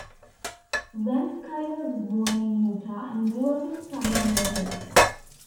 Van Sciver was born in Utah and grew up in southern New Jersey.